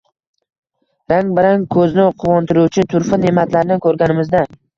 rang-barang – ko‘zni quvontiruvchi turfa ne’matlarni ko‘rganimizda